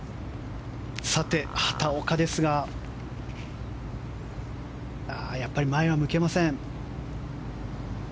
畑岡ですがやっぱり前は向けません。